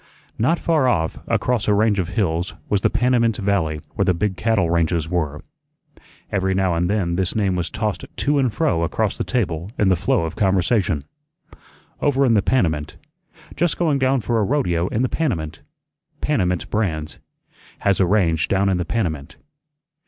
Not far off, across a range of hills, was the Panamint Valley, where the big cattle ranges were. Every now and then this name was tossed to and fro across the table in the flow of conversation "Over in the Panamint." "Just going down for a rodeo in the Panamint." "Panamint brands." "Has a range down in the Panamint."